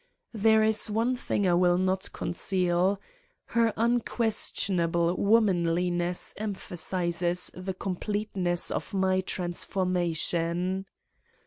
There is one thing I will not con ceal : her unquestionable womanliness emphasizes the completeness of my transformation.